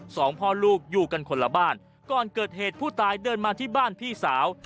สองพ่อลูกอยู่กันคนละบ้านก่อนเกิดเหตุผู้ตายเดินมาที่บ้านพี่สาว